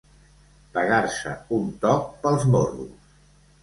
Pegar-se un toc pels morros.